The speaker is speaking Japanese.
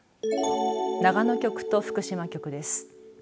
長野局と福島局です。